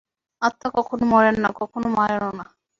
আত্মা কখনও মরেন না, কখনও মারেনও না।